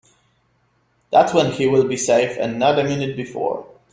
That's when he'll be safe and not a minute before.